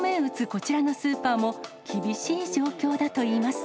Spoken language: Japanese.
こちらのスーパーも、厳しい状況だといいます。